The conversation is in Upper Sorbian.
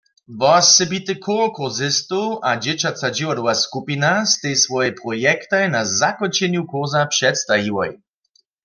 Wosebity chór kursistow a dźěćaca dźiwadłowa skupina stej swojej projektaj na zakónčenju kursa předstajiłoj.